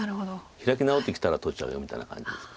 開き直ってきたら取っちゃうよみたいな感じです。